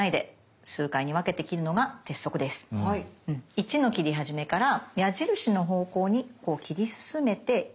１の切り始めから矢印の方向にこう切り進めて一度ここで切ります。